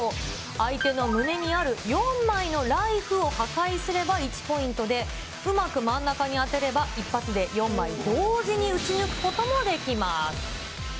相手の胸にある４枚のライフを破壊すれば１ポイントで、うまく真ん中に当てれば一発で４枚同時に撃ち抜くこともできます。